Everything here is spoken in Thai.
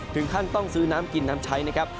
ถึงขั้นต้องซื้อน้ำกินน้ำใช้นะครับ